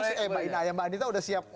mbak inaya mbak adita udah siap